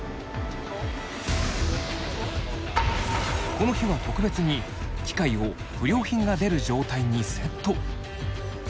この日は特別に機械を不良品が出る状態にセット。